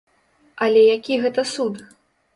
Але які гэта суд?